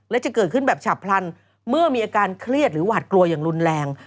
และจะเกิดขึ้นแบบฉับพลันเมื่อมีอาการเครียดหรือหวาดกลัวอย่างรุนแรง